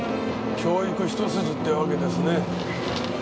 教育一筋ってわけですね。